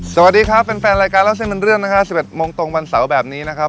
สวัสดีครับแฟนรายการเล่าเส้นเป็นเรื่องนะฮะ๑๑โมงตรงวันเสาร์แบบนี้นะครับ